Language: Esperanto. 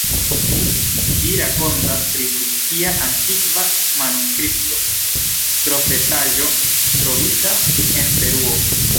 Ĝi rakontas pri fikcia antikva manuskripto, profetaĵo trovita en Peruo.